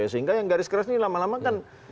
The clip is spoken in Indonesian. sehingga yang garis keras ini lama lama kan